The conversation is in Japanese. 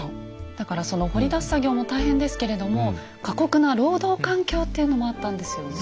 だからその掘り出す作業も大変ですけれども過酷な労働環境っていうのもあったんですよね。